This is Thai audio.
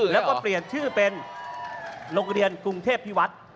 แล้วก็เปลี่ยนชื่อเป็นโรงเรียนกรุงเทพพิวัฒน์